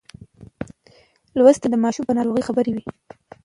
لوستې میندې د ماشوم پر ناروغۍ خبر وي.